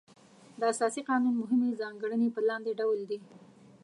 د اساسي قانون مهمې ځانګړنې په لاندې ډول دي.